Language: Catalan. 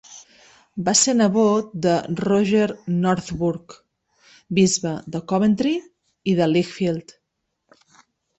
Va ser nebot de Roger Northburgh, Bisbe de Coventry i de Lichfield.